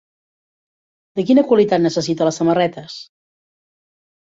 De quina qualitat necessita les samarretes?